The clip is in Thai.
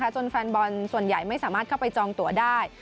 จนแฟนบอลส่วนใหญ่ไม่สามารถเข้าไปจองตัวได้